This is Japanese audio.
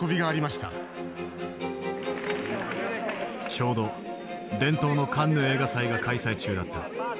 ちょうど伝統のカンヌ映画祭が開催中だった。